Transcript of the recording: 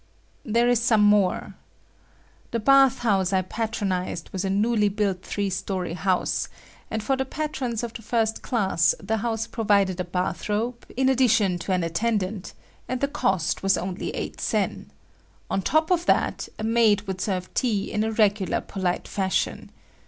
There is some more. The bath house I patronized was a newly built three story house, and for the patrons of the first class the house provided a bath robe, in addition to an attendant, and the cost was only eight sen. On top of that, a maid would serve tea in a regular polite fashion.